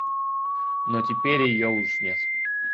Но теперь ее уж нет.